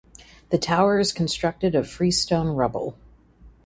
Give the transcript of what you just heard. The tower is constructed of freestone rubble.